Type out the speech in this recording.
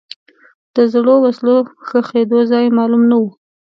د زړو وسلو ښخېدو ځای معلوم نه و.